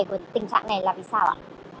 của tình trạng này là vì sao ạ